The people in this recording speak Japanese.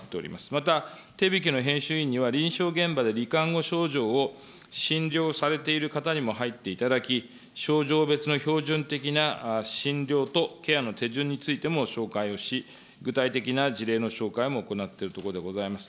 また、手引きの編集員には臨床現場でり患後症状を診療されている方にも入っていただき、症状別の標準的な診療とケアの手順についても紹介をし、具体的な事例の紹介も行っているところでございます。